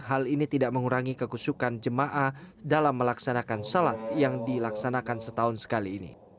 hal ini tidak mengurangi kekusukan jemaah dalam melaksanakan sholat yang dilaksanakan setahun sekali ini